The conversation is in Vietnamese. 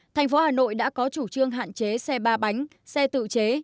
thành phố hà nội đã có chủ trương hạn chế xe ba bánh xe tự chế